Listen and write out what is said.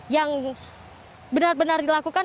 yang benar benar dilakukan